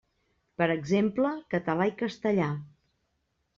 Per exemple, català i castellà.